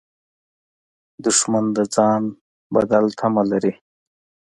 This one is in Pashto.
دښمن د ځان بدل تمه لري